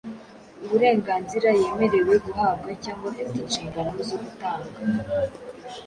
uburenganzira yemerewe guhabwa cyangwa afite inshingano zo gutanga